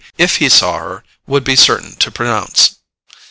if he saw her, would be certain to pronounce.